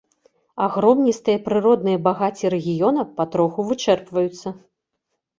Агромністыя прыродныя багацці рэгіёна патроху вычэрпваюцца.